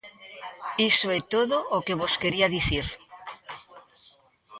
Iso é todo o que vos quería dicir.